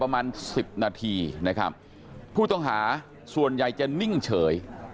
ประมาณสิบนาทีนะครับผู้ต้องหาส่วนใหญ่จะนิ่งเฉย